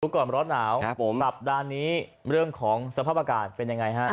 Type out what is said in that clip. ก่อนร้อนหนาวสัปดาห์นี้เรื่องของสภาพอากาศเป็นยังไงฮะ